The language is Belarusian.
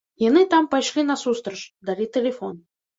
Яны там пайшлі насустрач, далі тэлефон.